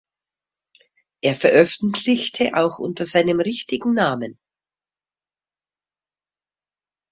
Er veröffentlichte auch unter seinem richtigen Namen.